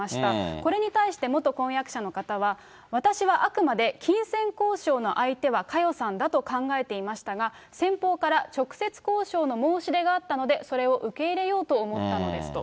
これに対して、元婚約者の方は私はあくまで金銭交渉の相手は佳代さんだと考えていましたが、先方から直接交渉の申し出があったので、それを受け入れようと思ったのですと。